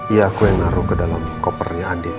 iya aku yang naruh ke dalam kopernya anting